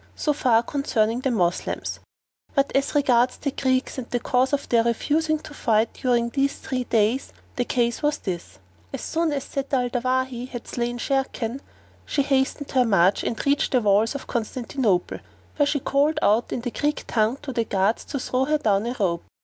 So far concerning the Moslems; but as regards the Greeks and the cause of their refusing to fight during these three days the case was this. As soon as Zat al Dawahi had slain Sharrkan, she hastened her march and reached the walls of Constantinople, where she called out in the Greek tongue to the guards to throw her down a rope.